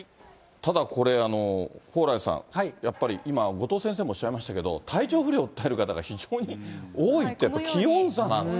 ただこれ、蓬莱さん、やっぱり今、後藤先生もおっしゃいましたけど、体調不良を訴える方が非常に多いって、やっぱり気温差なんですね。